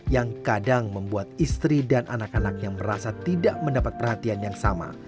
yang kadang membuat istri dan anak anaknya merasa tidak mendapat perhatian yang sama